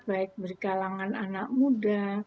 baik berkalangan anak muda